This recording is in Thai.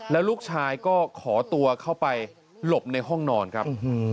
แล้วลูกชายก็ขอตัวเข้าไปหลบในห้องนอนครับ